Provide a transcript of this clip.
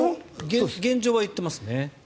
現状は言ってますね。